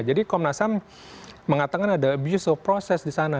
jadi komnasam mengatakan ada abuse of process di sana